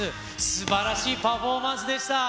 すばらしいパフォーマンスでした。